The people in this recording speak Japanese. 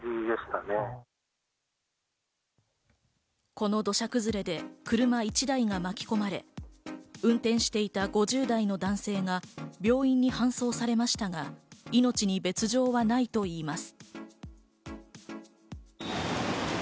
この土砂崩れで車１台がまき込まれ運転していた５０代の男性が病院に搬送されましたが命に別条はないといいます。